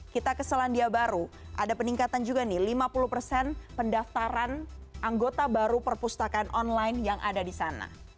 kita ke selandia baru ada peningkatan juga nih lima puluh persen pendaftaran anggota baru perpustakaan online yang ada di sana